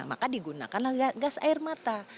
maka digunakanlah gas air mata